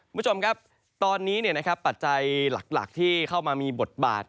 คุณผู้ชมครับตอนนี้ปัจจัยหลักที่เข้ามามีบทบาท